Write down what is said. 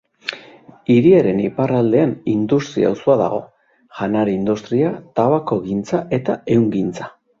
Hiriaren iparraldean industria auzoa dago: janari industria, tabakogintza eta ehungintza.